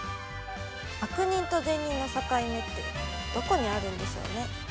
悪人と善人の境目ってどこにあるんでしょうね。